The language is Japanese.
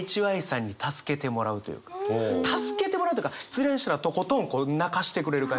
助けてもらうというか失恋したらとことん泣かせてくれる感じ。